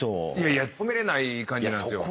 いや止めれない感じなんですよ。